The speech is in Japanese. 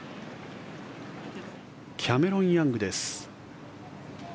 キャメロン・ヤングです。